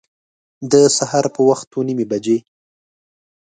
د سهار په وخت اوه نیمي بجي